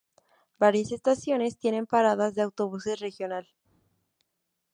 Varias estaciones tienen paradas de autobús regional.